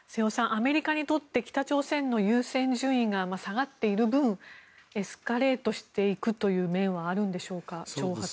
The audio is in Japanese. アメリカにとって北朝鮮の優先順位が下がっている分、挑発がエスカレートしていくという面はあるんでしょうか。